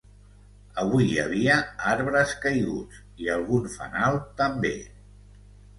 Avui hi havia arbres caiguts i algun fanal també.